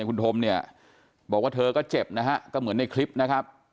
คุณธมเนี่ยบอกว่าเธอก็เจ็บนะฮะก็เหมือนในคลิปนะครับ